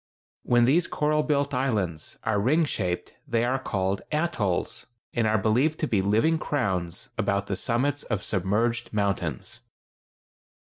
When these coral built islands are ring shaped they are called atolls, and are believed to be living crowns about the summits of submerged mountains.